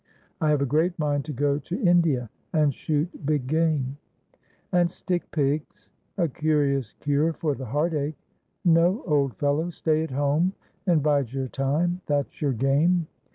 I have a great mind to go to India and shoot big game.' ' And stick pigs ?— a curious cure for the heart ache. No, old fellow ; stay at home and bide your time. That's your game.'